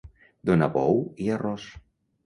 Donar bou i arròs.